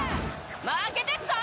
負けてっぞ！